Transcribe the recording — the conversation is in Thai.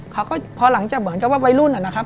เขาก็พอหลังจากเหมือนกับว่าวัยรุ่นนะครับ